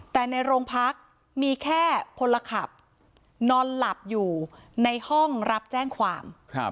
แต่ในโรงพักมีแค่พลขับนอนหลับอยู่ในห้องรับแจ้งความ